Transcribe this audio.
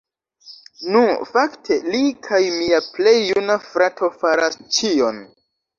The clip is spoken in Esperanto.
Nu, fakte li kaj mia plej juna frato faras ĉion